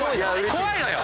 怖いのよ。